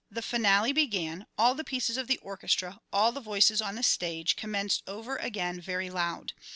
The finale began; all the pieces of the orchestra, all the voices on the stage, commenced over again very loud.